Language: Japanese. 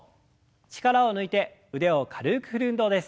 力を抜いて腕を軽く振る運動です。